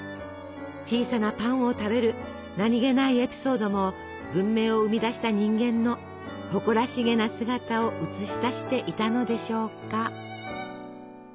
小さなパンを食べる何気ないエピソードも文明を生み出した人間の誇らしげな姿を映し出していたのでしょうか？